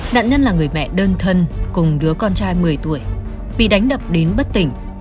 nạn nhân là người mẹ đơn thân cùng đứa con trai một mươi tuổi bị đánh đập đến bất tỉnh